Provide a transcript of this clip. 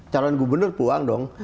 calon gubernur perlu uang dong